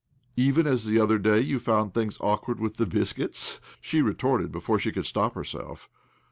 '■ Even as, the other day, you found things awkward with the biscuits ?" she retorted before she could stop herself.